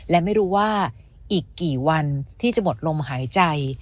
และไม่รู้ว่าอีกกี่วันที่จะหมดลมหายใจ